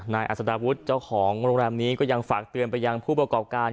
นายอัศดาวุฒิเจ้าของโรงแรมนี้ก็ยังฝากเตือนไปยังผู้ประกอบการ